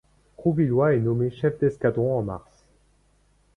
Rouvillois est nommé chef d'escadrons en mars.